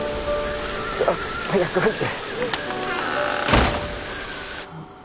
さあ早く入って。